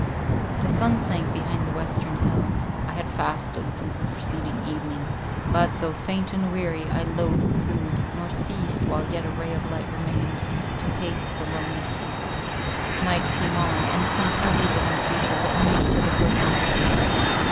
The sun sank behind the western hills; I had fasted since the preceding evening, but, though faint and weary, I loathed food, nor ceased, while yet a ray of light remained, to pace the lonely streets. Night came on, and sent every living creature but me to the bosom of its mate.